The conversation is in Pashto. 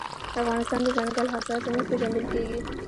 افغانستان د دځنګل حاصلات له مخې پېژندل کېږي.